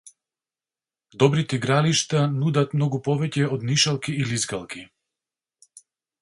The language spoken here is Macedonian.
Добрите игралишта нудат многу повеќе од нишалки и лизгалки.